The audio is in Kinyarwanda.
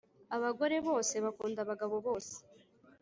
Abagore bose bakunda abagabo bose.